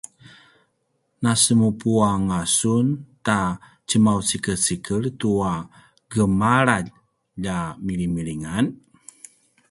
nasemupu anga sun ta tjemaucikecikel tua gemalalj a milimilingan?